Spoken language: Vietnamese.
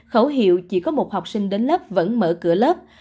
khẩu hiệu chỉ có một học sinh đến lớp vẫn mở cửa lớp